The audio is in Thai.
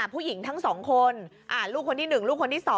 ผู้หญิงทั้ง๒คนลูกคนที่๑ลูกคนที่๒